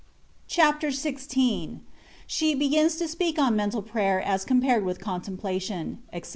CHAPTER XVI. SHE BE6IKS TO SPEAK ON MENTAL PRATER AS COMPARED WITH CONTEMPLATION, ETC.